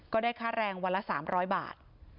ก็ได้ค่าแรงวันละ๓๐๐บาท